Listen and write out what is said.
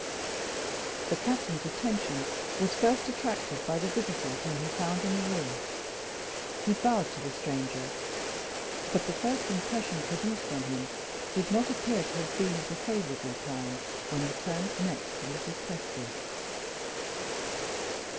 The Captain's attention was first attracted by the visitor whom he found in the room. He bowed to the stranger; but the first impression produced on him did not appear to have been of the favorable kind, when he turned next to Mrs. Presty.